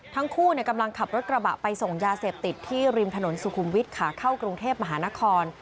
ทั้งคู่กำลังขับรถกระบะไปส่งยาเสพติดที่ริมถนนสุขุมวิทย์ขาเข้ากรุงเทพมหานคร